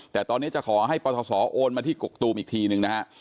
แต่ตอนนี้จะขอให้ปศโอนมาที่กกตูมอีกทีหนึ่งนะฮะ